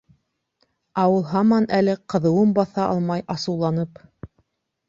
Ә ул һаман әле ҡыҙыуын баҫа алмай, асыуланып: